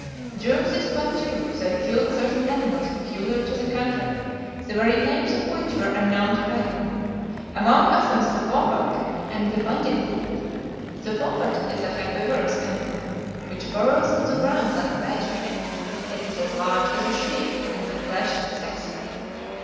During this BATTUE they killed certain animals peculiar to the country, the very names of which were unknown to Paganel; among others the "wombat" and the "bandicoot." The wombat is an herbivorous animal, which burrows in the ground like a badger. It is as large as a sheep, and the flesh is excellent.